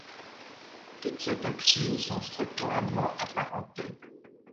Toutes ces toxines sont structurellement apparentées.